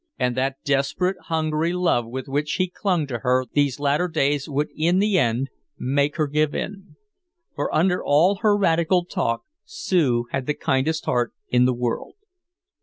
And that desperate hungry love with which he clung to her these latter days would in the end make her give in. For under all her radical talk Sue had the kindest heart in the world.